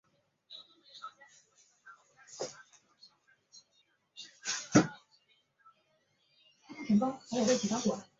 主要从事高分子化学研究与教学。